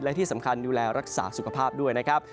และที่สำคัญดูแลรักษาสุขภาพด้วยนะครับ